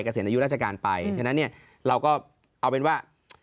เกษียณอายุราชการไปฉะนั้นเนี่ยเราก็เอาเป็นว่า